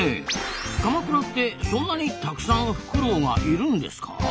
鎌倉ってそんなにたくさんフクロウがいるんですか？